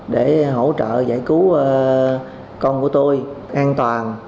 để hỗ trợ giải cứu con của tôi an toàn